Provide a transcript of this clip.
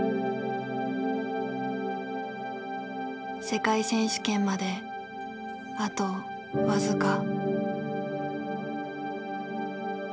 世界選手権まであと僅か。